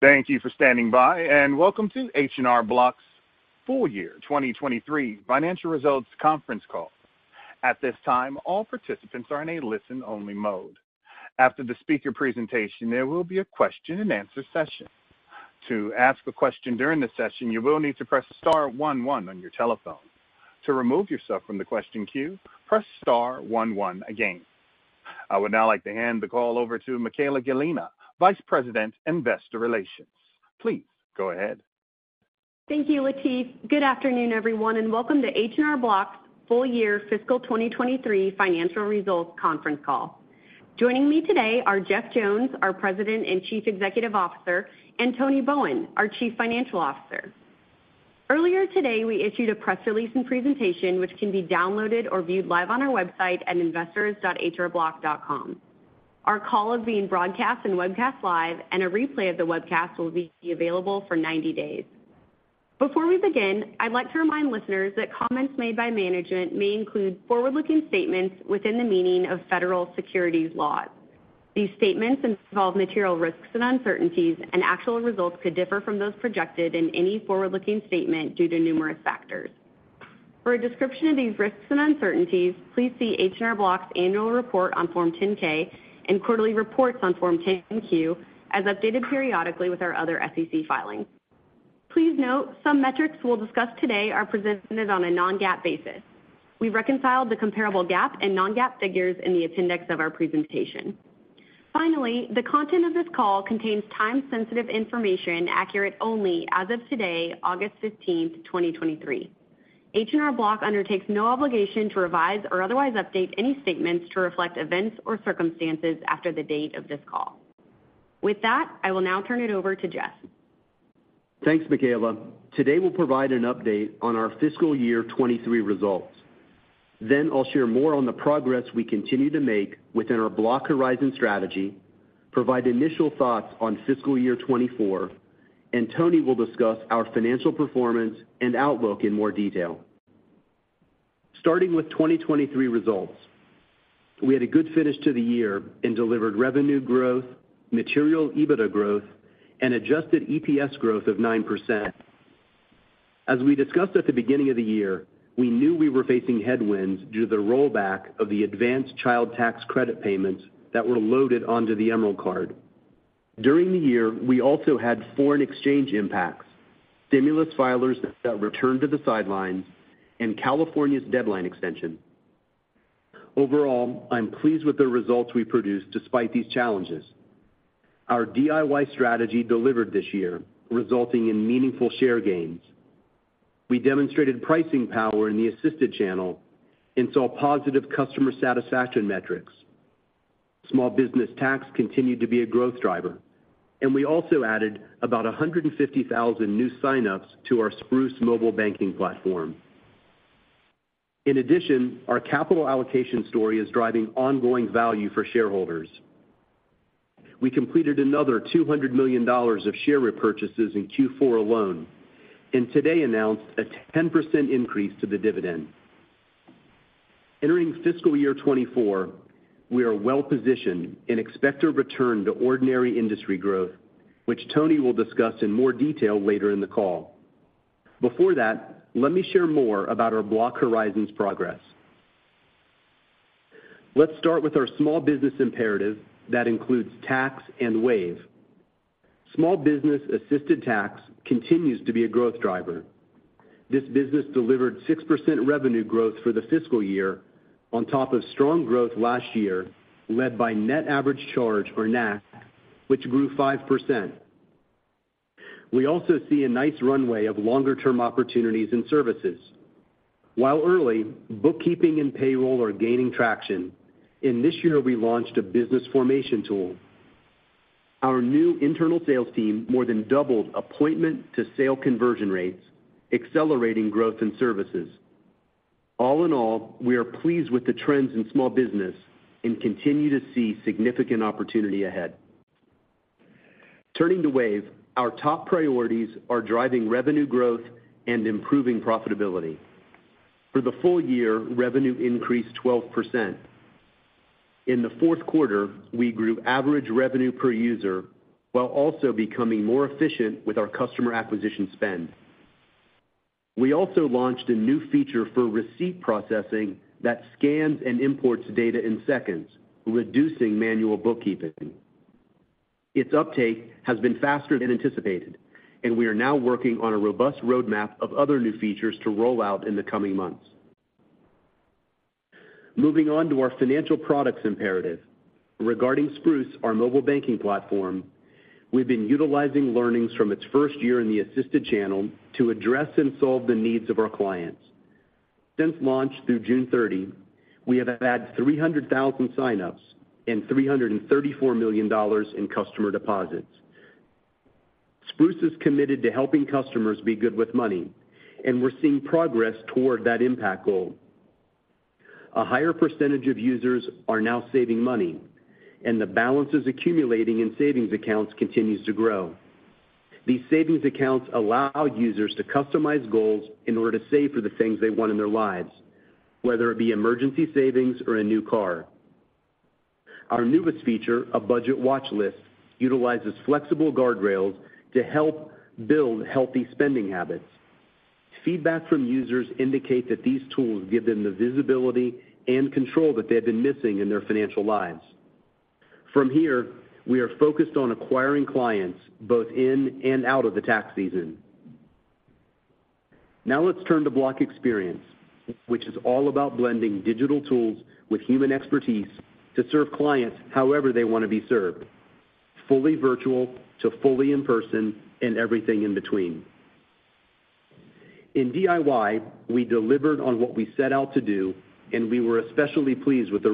Thank you for standing by, and welcome to H&R Block's full year 2023 financial results conference call. At this time, all participants are in a listen-only mode. After the speaker presentation, there will be a question-and-answer session. To ask a question during the session, you will need to press star one one on your telephone. To remove yourself from the question queue, press star one one again. I would now like to hand the call over to Michaela Gallina, Vice President, Investor Relations. Please go ahead. Thank you, Latif. Good afternoon, everyone, and welcome to H&R Block's full year fiscal 2023 financial results conference call. Joining me today are Jeff Jones, our President and Chief Executive Officer, and Tony Bowen, our Chief Financial Officer. Earlier today, we issued a press release and presentation, which can be downloaded or viewed live on our website at investors.hrblock.com. Our call is being broadcast and webcast live, and a replay of the webcast will be available for 90 days. Before we begin, I'd like to remind listeners that comments made by management may include forward-looking statements within the meaning of federal securities laws. These statements involve material risks and uncertainties, and actual results could differ from those projected in any forward-looking statement due to numerous factors. For a description of these risks and uncertainties, please see H&R Block's annual report on Form 10-K and quarterly reports on Form 10-Q, as updated periodically with our other SEC filings. Please note, some metrics we'll discuss today are presented on a non-GAAP basis. We've reconciled the comparable GAAP and non-GAAP figures in the appendix of our presentation. Finally, the content of this call contains time-sensitive information, accurate only as of today, August 15th, 2023. H&R Block undertakes no obligation to revise or otherwise update any statements to reflect events or circumstances after the date of this call. With that, I will now turn it over to Jeff. Thanks, Michaela. Today, we'll provide an update on our fiscal year 2023 results. I'll share more on the progress we continue to make within our Block Horizons strategy, provide initial thoughts on fiscal year 2024, and Tony will discuss our financial performance and outlook in more detail. Starting with 2023 results, we had a good finish to the year and delivered revenue growth, material EBITDA growth, and adjusted EPS growth of 9%. As we discussed at the beginning of the year, we knew we were facing headwinds due to the rollback of the advanced Child Tax Credit payments that were loaded onto the Emerald Card. During the year, we also had foreign exchange impacts, stimulus filers that returned to the sidelines, and California's deadline extension. Overall, I'm pleased with the results we produced despite these challenges. Our DIY strategy delivered this year, resulting in meaningful share gains. We demonstrated pricing power in the assisted channel and saw positive customer satisfaction metrics. Small business tax continued to be a growth driver, we also added about 150,000 new sign-ups to our Spruce mobile banking platform. In addition, our capital allocation story is driving ongoing value for shareholders. We completed another $200 million of share repurchases in Q4 alone today announced a 10% increase to the dividend. Entering fiscal year 2024, we are well-positioned and expect a return to ordinary industry growth, which Tony will discuss in more detail later in the call. Before that, let me share more about our Block Horizons progress. Let's start with our small business imperative that includes tax and Wave. Small business assisted tax continues to be a growth driver. This business delivered 6% revenue growth for the fiscal year on top of strong growth last year, led by net average charge, or NAC, which grew 5%. We also see a nice runway of longer-term opportunities and services. While early, bookkeeping and payroll are gaining traction, and this year we launched a business formation tool. Our new internal sales team more than doubled appointment-to-sale conversion rates, accelerating growth in services. All in all, we are pleased with the trends in small business and continue to see significant opportunity ahead. Turning to Wave, our top priorities are driving revenue growth and improving profitability. For the full year, revenue increased 12%. In the fourth quarter, we grew average revenue per user, while also becoming more efficient with our customer acquisition spend. We also launched a new feature for receipt processing that scans and imports data in seconds, reducing manual bookkeeping. Its uptake has been faster than anticipated, and we are now working on a robust roadmap of other new features to roll out in the coming months. Moving on to our financial products imperative. Regarding Spruce, our mobile banking platform, we've been utilizing learnings from its first year in the assisted channel to address and solve the needs of our clients. Since launch, through June 30, we have had 300,000 sign-ups and $334 million in customer deposits. Spruce is committed to helping customers be good with money, and we're seeing progress toward that impact goal. A higher percentage of users are now saving money, and the balances accumulating in savings accounts continues to grow.... These savings accounts allow users to customize goals in order to save for the things they want in their lives, whether it be emergency savings or a new car. Our newest feature, a budget watch list, utilizes flexible guardrails to help build healthy spending habits. Feedback from users indicate that these tools give them the visibility and control that they have been missing in their financial lives. From here, we are focused on acquiring clients both in and out of the tax season. Now let's turn to Block Experience, which is all about blending digital tools with human expertise to serve clients however they want to be served, fully virtual to fully in-person, and everything in between. In DIY, we delivered on what we set out to do, and we were especially pleased with the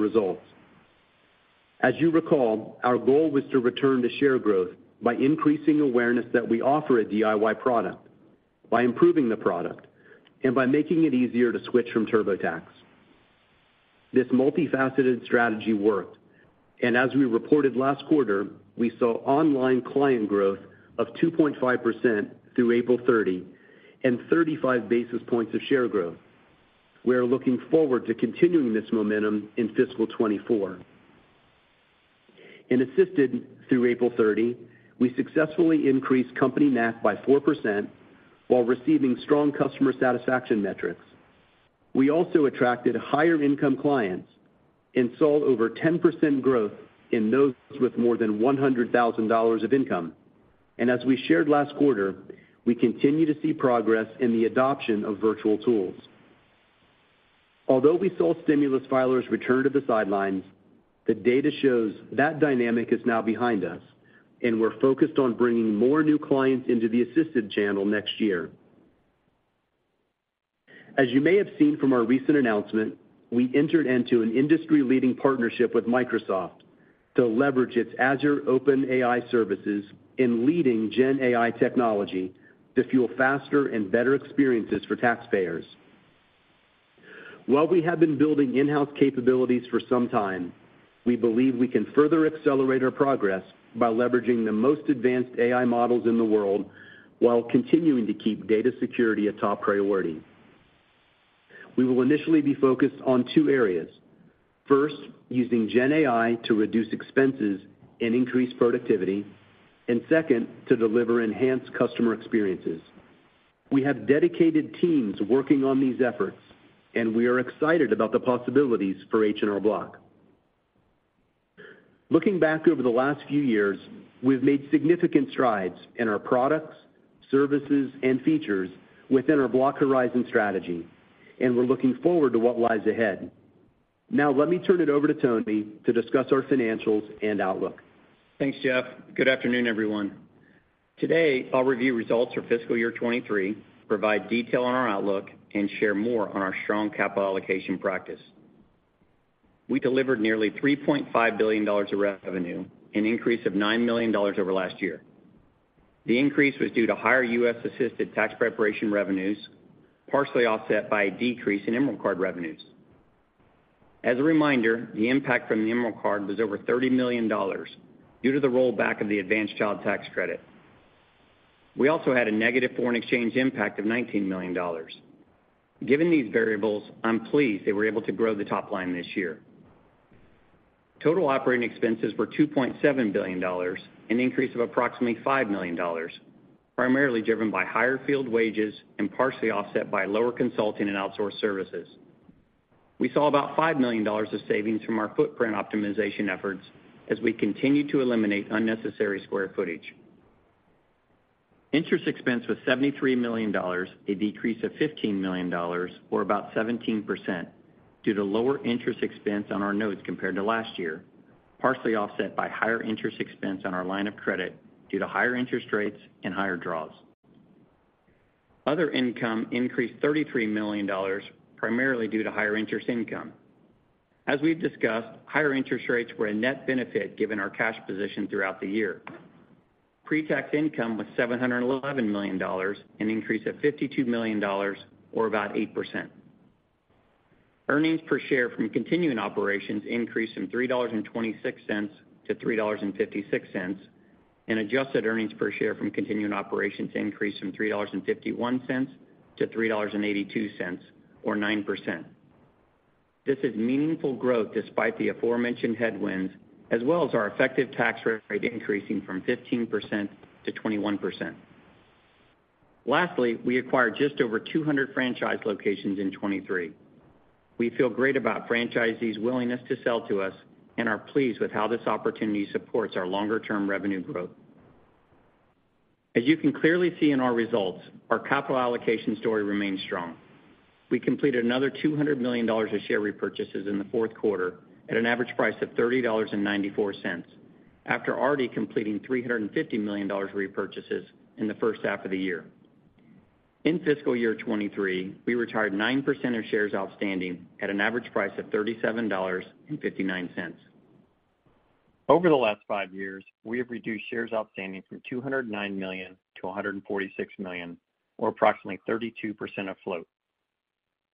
results. As you recall, our goal was to return to share growth by increasing awareness that we offer a DIY product, by improving the product, and by making it easier to switch from TurboTax. This multifaceted strategy worked, and as we reported last quarter, we saw online client growth of 2.5% through April 30, and 35 basis points of share growth. We are looking forward to continuing this momentum in fiscal 2024. In Assisted, through April 30, we successfully increased company NAC by 4% while receiving strong customer satisfaction metrics. We also attracted higher-income clients and saw over 10% growth in those with more than $100,000 of income. As we shared last quarter, we continue to see progress in the adoption of virtual tools. Although we saw stimulus filers return to the sidelines, the data shows that dynamic is now behind us, and we're focused on bringing more new clients into the Assisted channel next year. As you may have seen from our recent announcement, we entered into an industry-leading partnership with Microsoft to leverage its Azure OpenAI Services in leading GenAI technology to fuel faster and better experiences for taxpayers. While we have been building in-house capabilities for some time, we believe we can further accelerate our progress by leveraging the most advanced AI models in the world while continuing to keep data security a top priority. We will initially be focused on two areas. First, using GenAI to reduce expenses and increase productivity, and second, to deliver enhanced customer experiences. We have dedicated teams working on these efforts, and we are excited about the possibilities for H&R Block. Looking back over the last few years, we've made significant strides in our products, services, and features within our Block Horizons strategy, and we're looking forward to what lies ahead. Now, let me turn it over to Tony to discuss our financials and outlook. Thanks, Jeff. Good afternoon, everyone. Today, I'll review results for fiscal year 2023, provide detail on our outlook, and share more on our strong capital allocation practice. We delivered nearly $3.5 billion of revenue, an increase of $9 million over last year. The increase was due to higher U.S. Assisted tax preparation revenues, partially offset by a decrease in Emerald Card revenues. As a reminder, the impact from the Emerald Card was over $30 million due to the rollback of the advanced Child Tax Credit. We also had a negative foreign exchange impact of $19 million. Given these variables, I'm pleased that we're able to grow the top line this year. Total operating expenses were $2.7 billion, an increase of approximately $5 million, primarily driven by higher field wages and partially offset by lower consulting and outsourced services. We saw about $5 million of savings from our footprint optimization efforts as we continue to eliminate unnecessary square footage. Interest expense was $73 million, a decrease of $15 million, or about 17%, due to lower interest expense on our notes compared to last year, partially offset by higher interest expense on our line of credit due to higher interest rates and higher draws. Other income increased $33 million, primarily due to higher interest income. As we've discussed, higher interest rates were a net benefit given our cash position throughout the year. Pre-tax income was $711 million, an increase of $52 million, or about 8%. Earnings per share from continuing operations increased from $3.26-$3.56, and adjusted earnings per share from continuing operations increased from $3.51-$3.82, or 9%. This is meaningful growth despite the aforementioned headwinds, as well as our effective tax rate increasing from 15%-21%. Lastly, we acquired just over 200 franchise locations in 2023. We feel great about franchisees' willingness to sell to us and are pleased with how this opportunity supports our longer-term revenue growth. As you can clearly see in our results, our capital allocation story remains strong. We completed another $200 million of share repurchases in the fourth quarter at an average price of $30.94, after already completing $350 million repurchases in the first half of the year. In fiscal year 2023, we retired 9% of shares outstanding at an average price of $37.59. Over the last five years, we have reduced shares outstanding from 209 million-146 million, or approximately 32% of float.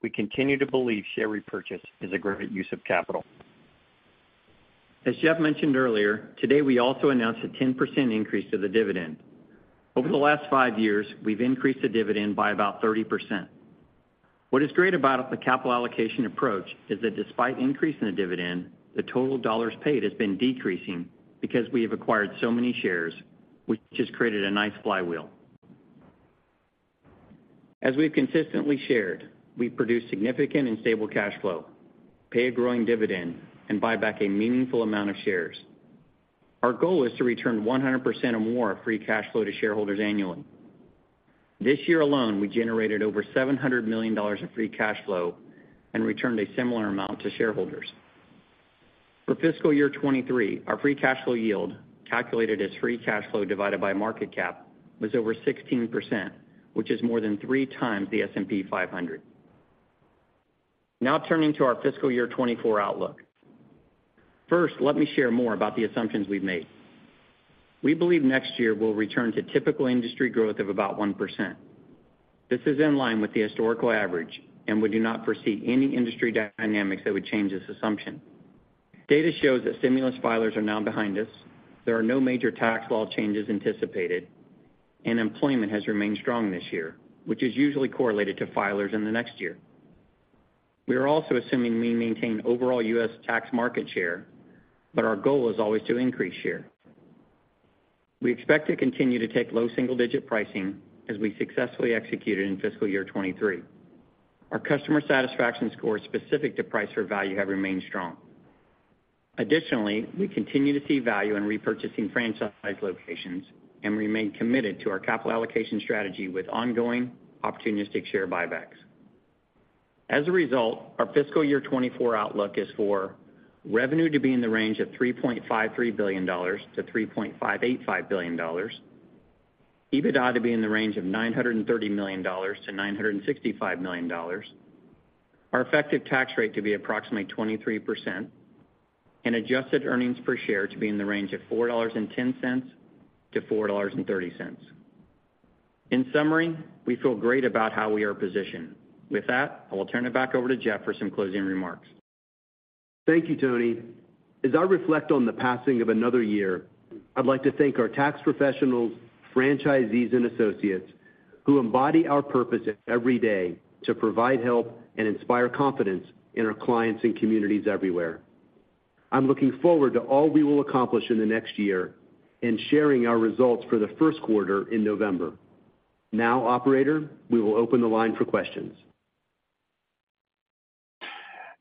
We continue to believe share repurchase is a great use of capital. As Jeff mentioned earlier, today, we also announced a 10% increase to the dividend. Over the last five years, we've increased the dividend by about 30%. What is great about the capital allocation approach is that despite increasing the dividend, the total dollars paid has been decreasing because we have acquired so many shares, which has created a nice flywheel. As we've consistently shared, we produce significant and stable cash flow, pay a growing dividend, and buy back a meaningful amount of shares. Our goal is to return 100% or more of free cash flow to shareholders annually. This year alone, we generated over $700 million of free cash flow and returned a similar amount to shareholders. For fiscal year 2023, our free cash flow yield, calculated as free cash flow divided by market cap, was over 16%, which is more than 3x the S&P 500. Turning to our fiscal year 2024 outlook. First, let me share more about the assumptions we've made. We believe next year will return to typical industry growth of about 1%. This is in line with the historical average, and we do not foresee any industry dynamics that would change this assumption. Data shows that stimulus filers are now behind us. There are no major tax law changes anticipated, and employment has remained strong this year, which is usually correlated to filers in the next year. We are also assuming we maintain overall U.S. tax market share, but our goal is always to increase share. We expect to continue to take low single-digit pricing as we successfully executed in fiscal year 23. Our customer satisfaction scores specific to price or value have remained strong. Additionally, we continue to see value in repurchasing franchise locations and remain committed to our capital allocation strategy with ongoing opportunistic share buybacks. As a result, our fiscal year 2024 outlook is for revenue to be in the range of $3.53 billion-$3.585 billion, EBITDA to be in the range of $930 million-$965 million, our effective tax rate to be approximately 23%, and adjusted earnings per share to be in the range of $4.10-$4.30. In summary, we feel great about how we are positioned. With that, I will turn it back over to Jeff for some closing remarks. Thank you, Tony. As I reflect on the passing of another year, I'd like to thank our tax professionals, franchisees, and associates who embody our purpose every day to provide help and inspire confidence in our clients and communities everywhere. I'm looking forward to all we will accomplish in the next year and sharing our results for the first quarter in November. Now, operator, we will open the line for questions.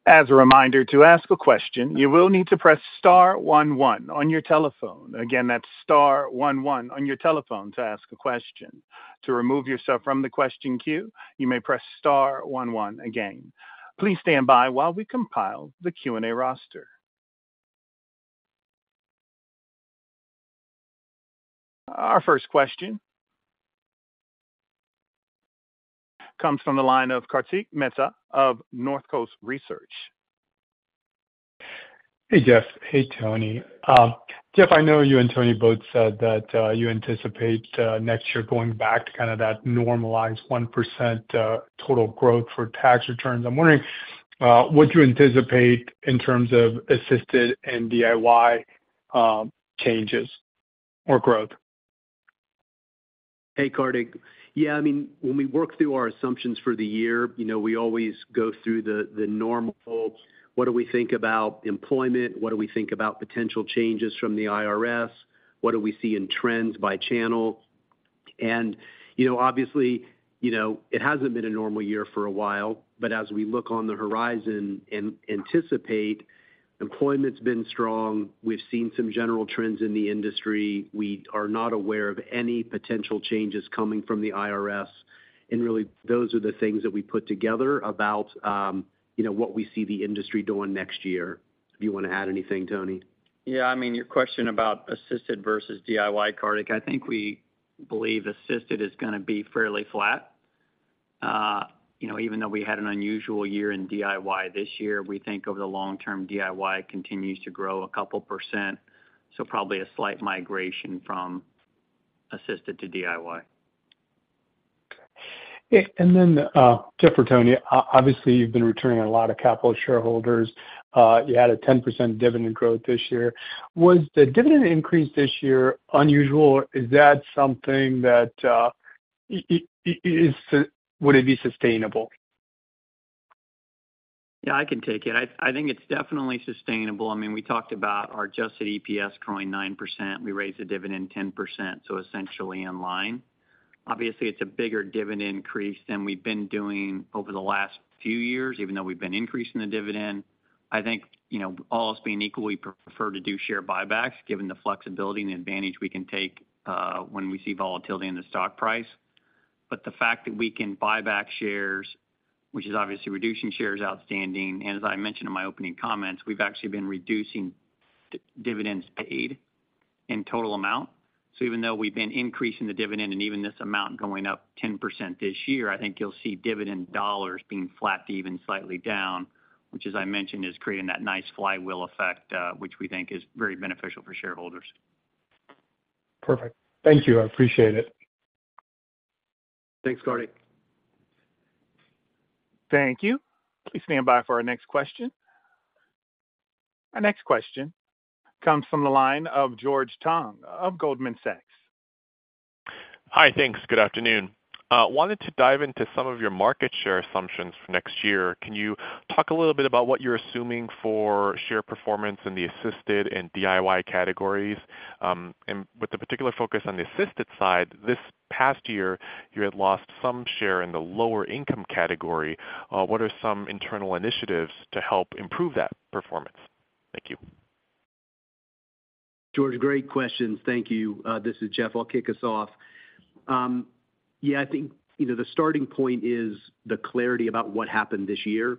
As a reminder, to ask a question, you will need to press star one one on your telephone. Again, that's star one one on your telephone to ask a question. To remove yourself from the question queue, you may press star one one again. Please stand by while we compile the Q&A roster. Our first question comes from the line of Kartik Mehta of Northcoast Research. Hey, Jeff. Hey, Tony. Jeff, I know you and Tony both said that, you anticipate, next year going back to kind of that normalized 1%, total growth for tax returns. I'm wondering, what you anticipate in terms of assisted and DIY, changes or growth? Hey, Kartik. Yeah, I mean, when we work through our assumptions for the year, you know, we always go through the, the normal, what do we think about employment? What do we think about potential changes from the IRS? What do we see in trends by channel? And you know, obviously, you know, it hasn't been a normal year for a while, but as we look on the horizon and anticipate, employment's been strong. We've seen some general trends in the industry. We are not aware of any potential changes coming from the IRS, and really, those are the things that we put together about, you know, what we see the industry doing next year. Do you wanna add anything, Tony? Yeah, I mean, your question about assisted versus DIY, Kartik, I think we believe assisted is gonna be fairly flat. you know, even though we had an unusual year in DIY this year, we think over the long term, DIY continues to grow a couple %, so probably a slight migration from assisted to DIY. Yeah, then Jeff or Tony, obviously, you've been returning a lot of capital to shareholders. You had a 10% dividend growth this year. Was the dividend increase this year unusual, or is that something that would it be sustainable? Yeah, I can take it. I think it's definitely sustainable. I mean, we talked about our adjusted EPS growing 9%. We raised the dividend 10%, so essentially in line. Obviously, it's a bigger dividend increase than we've been doing over the last few years, even though we've been increasing the dividend. I think, you know, all else being equal, we prefer to do share buybacks, given the flexibility and the advantage we can take when we see volatility in the stock price. The fact that we can buy back shares, which is obviously reducing shares outstanding, and as I mentioned in my opening comments, we've actually been reducing dividends paid in total amount. Even though we've been increasing the dividend and even this amount going up 10% this year, I think you'll see dividend dollars being flat to even slightly down, which, as I mentioned, is creating that nice flywheel effect, which we think is very beneficial for shareholders. Perfect. Thank you. I appreciate it. Thanks, Kartik. Thank you. Please stand by for our next question. Our next question comes from the line of George Tong of Goldman Sachs. Hi, thanks. Good afternoon. wanted to dive into some of your market share assumptions for next year. Can you talk a little bit about what you're assuming for share performance in the assisted and DIY categories? and with the particular focus on the assisted side, this past year, you had lost some share in the lower income category. What are some internal initiatives to help improve that performance? Thank you. George, great questions. Thank you. This is Jeff. I'll kick us off. Yeah, I think, you know, the starting point is the clarity about what happened this year.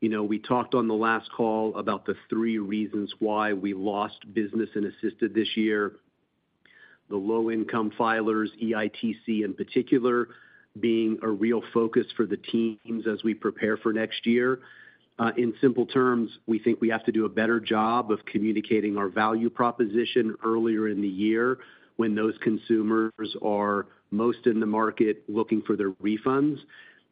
You know, we talked on the last call about the three reasons why we lost business in assisted this year. The low-income filers, EITC in particular, being a real focus for the teams as we prepare for next year. In simple terms, we think we have to do a better job of communicating our value proposition earlier in the year when those consumers are most in the market looking for their refunds.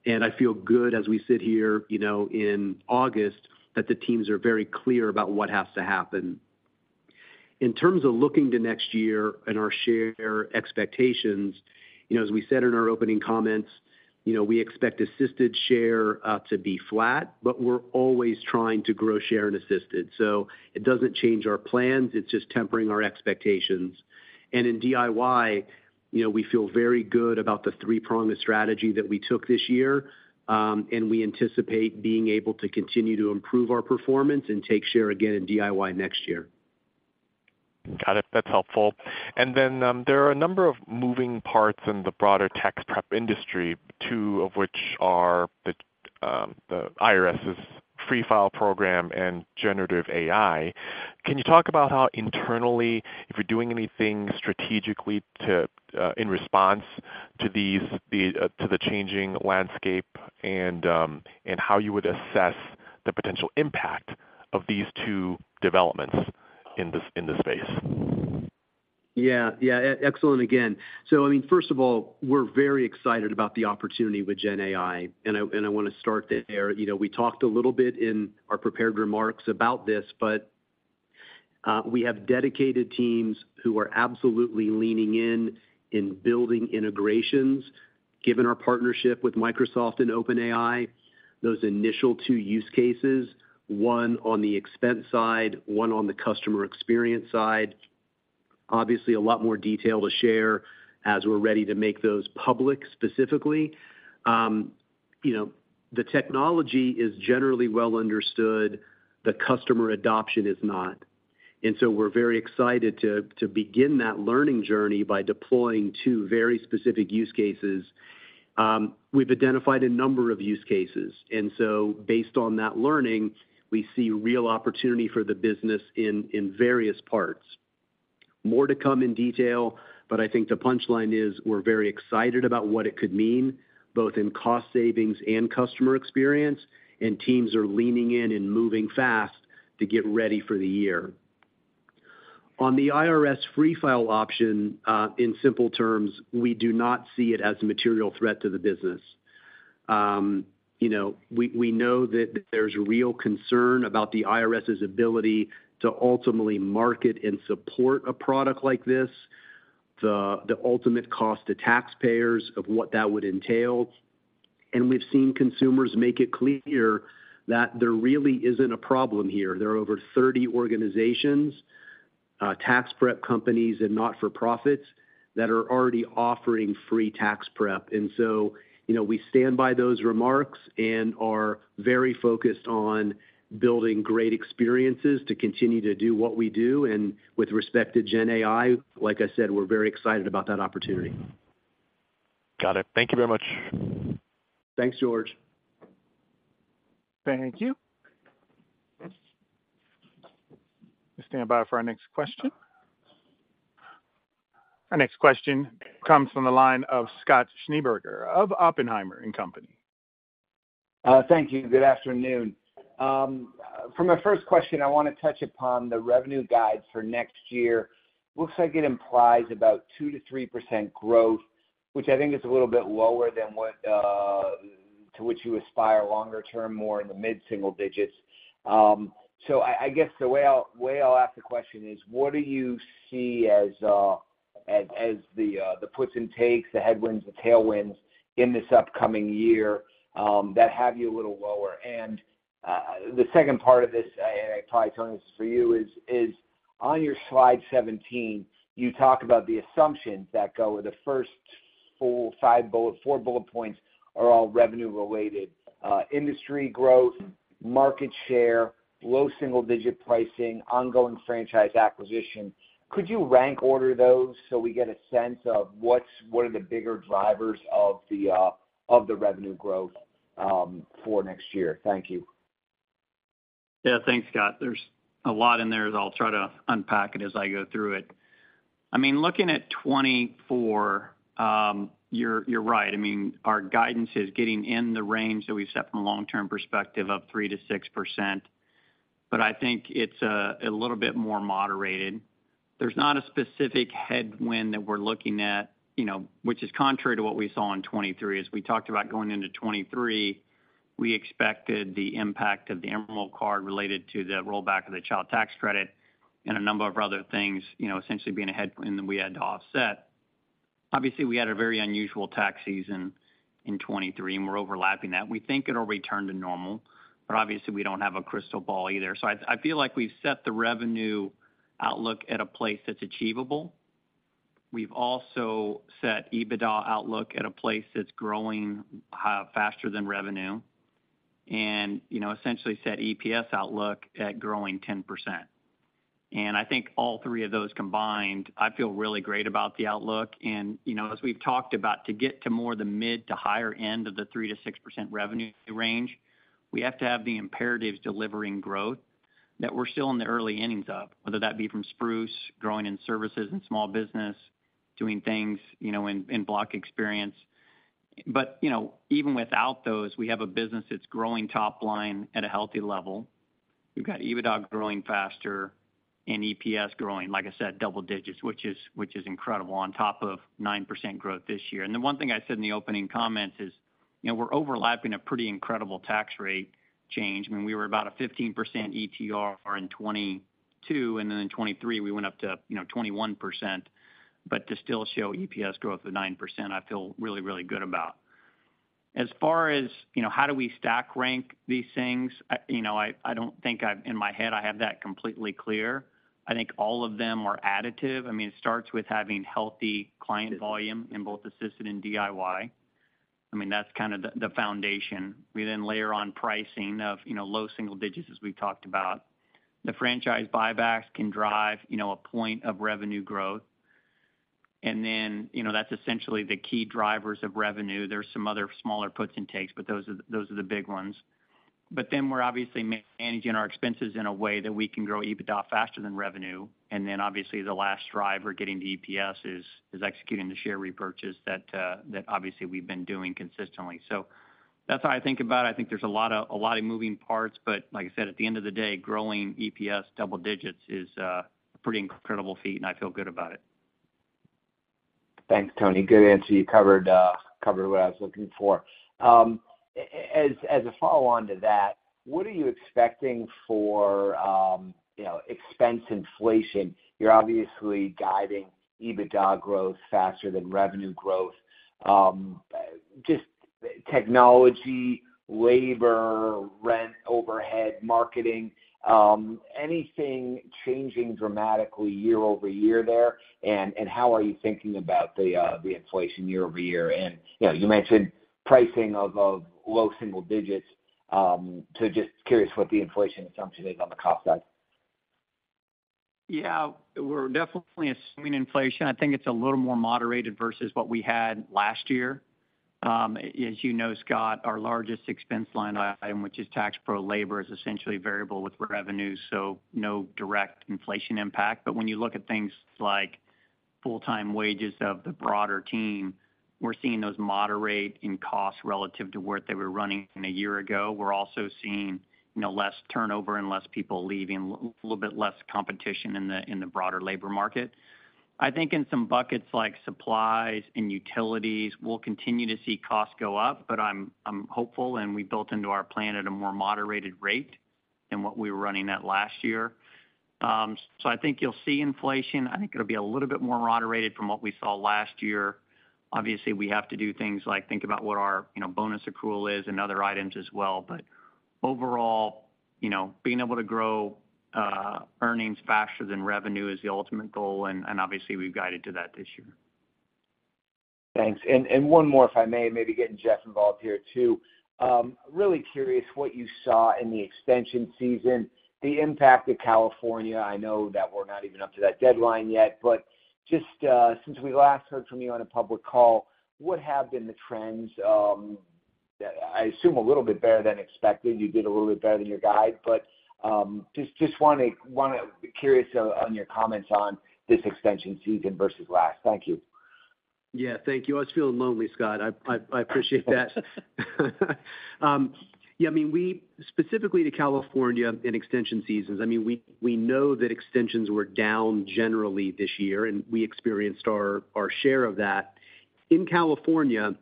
I feel good as we sit here, you know, in August, that the teams are very clear about what has to happen. In terms of looking to next year and our share expectations, you know, as we said in our opening comments, you know, we expect assisted share to be flat, but we're always trying to grow share in assisted. It doesn't change our plans, it's just tempering our expectations. In DIY, you know, we feel very good about the three-pronged strategy that we took this year, and we anticipate being able to continue to improve our performance and take share again in DIY next year. Got it. That's helpful. There are a number of moving parts in the broader tax prep industry, two of which are the IRS's Free File program and Generative AI. Can you talk about how internally, if you're doing anything strategically to in response to these, the to the changing landscape and how you would assess the potential impact of these two developments in this, in the space? Yeah. Yeah, excellent again. I mean, first of all, we're very excited about the opportunity with GenAI, and I wanna start there. You know, we talked a little bit in our prepared remarks about this, but we have dedicated teams who are absolutely leaning in, in building integrations, given our partnership with Microsoft and OpenAI, those initial two use cases, one on the expense side, one on the customer experience side. Obviously, a lot more detail to share as we're ready to make those public specifically. You know, the technology is generally well understood, the customer adoption is not. We're very excited to begin that learning journey by deploying two very specific use cases. We've identified a number of use cases, based on that learning, we see real opportunity for the business in various parts. More to come in detail, but I think the punchline is, we're very excited about what it could mean, both in cost savings and customer experience, and teams are leaning in and moving fast to get ready for the year. On the IRS Free File option, in simple terms, we do not see it as a material threat to the business. You know, we, we know that there's real concern about the IRS's ability to ultimately market and support a product like this, the, the ultimate cost to taxpayers of what that would entail, and we've seen consumers make it clear that there really isn't a problem here. There are over 30 organizations, tax prep companies, and not-for-profits, that are already offering free tax prep. So, you know, we stand by those remarks and are very focused on building great experiences to continue to do what we do. With respect to GenAI, like I said, we're very excited about that opportunity. Got it. Thank you very much. Thanks, George. Thank you. Please stand by for our next question. Our next question comes from the line of Scott Schneeberger of Oppenheimer and Company. Thank you. Good afternoon. For my first question, I wanna touch upon the revenue guide for next year. Looks like it implies about 2%-3% growth, which I think is a little bit lower than what to which you aspire longer term, more in the mid-single digits. So I, I guess the way I'll, way I'll ask the question is: What do you see as, as, as the puts and takes, the headwinds, the tailwinds in this upcoming year that have you a little lower? The second part of this, and I probably turn this for you, is, is on your slide 17, you talk about the assumptions that go with the first full five bullet... four bullet points are all revenue related, industry growth, market share, low single digit pricing, ongoing franchise acquisition. Could you rank order those so we get a sense of what's, what are the bigger drivers of the of the revenue growth for next year? Thank you. Yeah, thanks, Scott. There's a lot in there, as I'll try to unpack it as I go through it. I mean, looking at 2024, you're, you're right. I mean, our guidance is getting in the range that we set from a long-term perspective of 3%-6%. I think it's a little bit more moderated. There's not a specific headwind that we're looking at, you know, which is contrary to what we saw in 2023. As we talked about going into 2023, we expected the impact of the Emerald Card related to the rollback of the Child Tax Credit and a number of other things, you know, essentially being a headwind that we had to offset. Obviously, we had a very unusual tax season in 2023, and we're overlapping that. We think it'll return to normal, but obviously, we don't have a crystal ball either. I, I feel like we've set the revenue outlook at a place that's achievable. We've also set EBITDA outlook at a place that's growing faster than revenue and, you know, essentially set EPS outlook at growing 10%. I think all three of those combined, I feel really great about the outlook. You know, as we've talked about, to get to more of the mid to higher end of the 3%-6% revenue range, we have to have the imperatives delivering growth that we're still in the early innings of, whether that be from Spruce, growing in services and small business, doing things, you know, in, in Block Experience. You know, even without those, we have a business that's growing top line at a healthy level. We've got EBITDA growing faster and EPS growing, like I said, double digits, which is, which is incredible, on top of 9% growth this year. The one thing I said in the opening comments is, you know, we're overlapping a pretty incredible tax rate change. I mean, we were about a 15% ETR in 2022, and then in 2023, we went up to, you know, 21%. To still show EPS growth of 9%, I feel really, really good about. As far as, you know, how do we stack rank these things? You know, I, I don't think I've-- in my head, I have that completely clear. I think all of them are additive. I mean, it starts with having healthy client volume in both assisted and DIY. I mean, that's kind of the, the foundation. We then layer on pricing of, you know, low single digits, as we've talked about. The franchise buybacks can drive, you know, a point of revenue growth. You know, that's essentially the key drivers of revenue. There are some other smaller puts and takes, but those are, those are the big ones. We're obviously managing our expenses in a way that we can grow EBITDA faster than revenue. Obviously, the last driver getting to EPS is, is executing the share repurchase that, that obviously we've been doing consistently. That's how I think about it. I think there's a lot of, a lot of moving parts, but like I said, at the end of the day, growing EPS double digits is a pretty incredible feat, and I feel good about it. Thanks, Tony. Good answer. You covered covered what I was looking for. As a follow-on to that, what are you expecting for, you know, expense inflation? You're obviously guiding EBITDA growth faster than revenue growth. Just technology, labor, rent, overhead, marketing, anything changing dramatically year-over-year there? How are you thinking about the inflation year-over-year? You know, you mentioned pricing of, of low single digits, just curious what the inflation assumption is on the cost side. Yeah, we're definitely assuming inflation. I think it's a little more moderated versus what we had last year. As you know, Scott, our largest expense line item, which is tax pro labor, is essentially variable with revenue, so no direct inflation impact. When you look at things like full-time wages of the broader team, we're seeing those moderate in cost relative to what they were running a year ago. We're also seeing, you know, less turnover and less people leaving, a little bit less competition in the, in the broader labor market. I think in some buckets, like supplies and utilities, we'll continue to see costs go up, but I'm, I'm hopeful, and we built into our plan at a more moderated rate than what we were running at last year. I think you'll see inflation. I think it'll be a little bit more moderated from what we saw last year. Obviously, we have to do things like think about what our, you know, bonus accrual is and other items as well. Overall, you know, being able to grow earnings faster than revenue is the ultimate goal, and obviously, we've guided to that this year. Thanks. One more, if I may, maybe getting Jeff involved here, too. Really curious what you saw in the extension season, the impact of California. I know that we're not even up to that deadline yet, but just, since we last heard from you on a public call, what have been the trends? I assume a little bit better than expected. You did a little bit better than your guide, but, just wanna, curious on your comments on this extension season versus last. Thank you. Yeah. Thank you. I was feeling lonely, Scott. I appreciate that. Yeah, I mean, we specifically to California in extension seasons, I mean, we, we know that extensions were down generally this year, and we experienced our, our share of that. In California,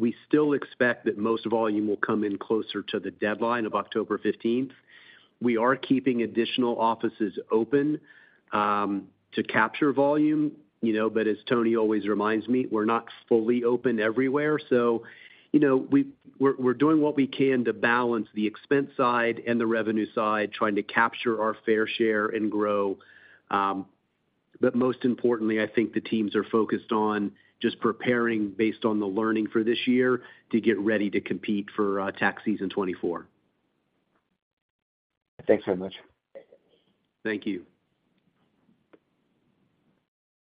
we still expect that most volume will come in closer to the deadline of October 15th. We are keeping additional offices open, to capture volume, you know, but as Tony always reminds me, we're not fully open everywhere. You know, we're, we're doing what we can to balance the expense side and the revenue side, trying to capture our fair share and grow. Most importantly, I think the teams are focused on just preparing based on the learning for this year, to get ready to compete for tax season 2024. Thanks very much. Thank you.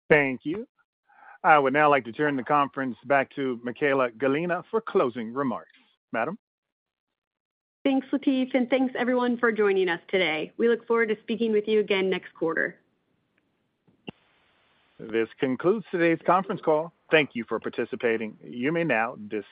Thank you. I would now like to turn the conference back to Michaela Gallina for closing remarks. Madam? Thanks, Latif, and thanks everyone for joining us today. We look forward to speaking with you again next quarter. This concludes today's conference call. Thank you for participating. You may now disconnect.